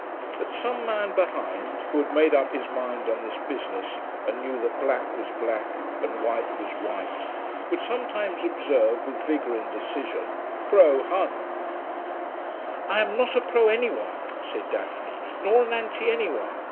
But some man behind, who had made up his mind on this business and knew that black was black and white was white, would sometimes observe, with vigour and decision, 'Pro Hun.' 'I am not a pro anyone,' said Daphne, 'nor an anti anyone.